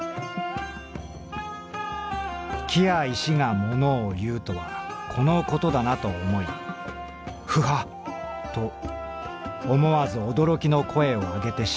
「木や石がものを言うとはこのことだなと思い『フハッ』と思わず驚きの声を上げてしまった」。